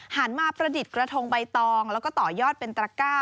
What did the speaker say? หันมาประดิษฐ์กระทงใบตองแล้วก็ต่อยอดเป็นตระก้า